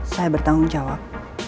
saya bertanggung jawab